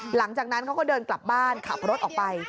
หลังจากนั้นเขาก็เดินกลับบ้านขับรถออกไป